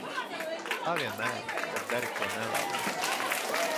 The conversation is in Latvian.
Kā vienmēr, kad dari ko nelāgu.